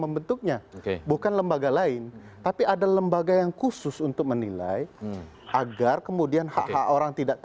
membentuknya bukan lembaga lain tapi ada lembaga yang khusus untuk menilai agar kemudian hak hak orang tidak